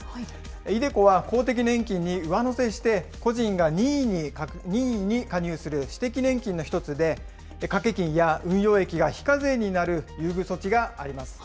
ｉＤｅＣｏは公的年金に上乗せして、個人が任意に加入する私的年金の一つで、掛金や運用益が非課税になる優遇措置があります。